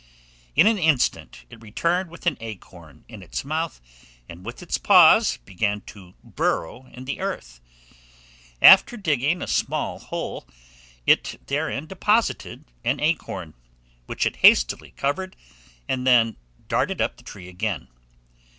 In an instant it returned with an acorn in its mouth, and with its paws began to burrow in the earth. After digging a small hole, it therein deposited an acorn, which it hastily covered, and then darted up the tree again.